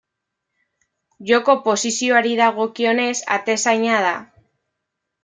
Joko posizioari dagokionez, atezaina da.